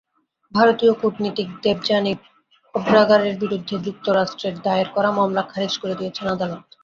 ভারতীয় কূটনীতিক দেবযানী খোবরাগাড়ের বিরুদ্ধে যুক্তরাষ্ট্রের দায়ের করা মামলা খারিজ করে দিয়েছেন আদালত।